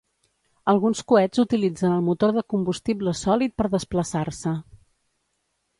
Alguns coets utilitzen el motor de combustible sòlid per desplaçar-se.